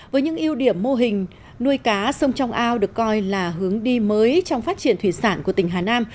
với những ưu điểm mô hình nuôi cá sông trong ao được coi là hướng đi mới trong phát triển thủy sản của tỉnh hà nam